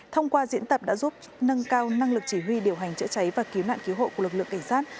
thông qua diễn tập đã giúp nâng cao năng lực chỉ huy điều hành chữa cháy và cứu nạn cứu hộ của lực lượng cảnh sát